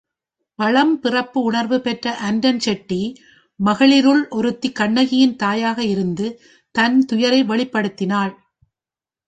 பழம் பிறப்பு உணர்வு பெற்ற அரட்டன் செட்டி மகளிருள் ஒருத்தி கண்ணகியின் தாயாக இருந்து தன்துயரை வெளிப்படுத்தினாள்.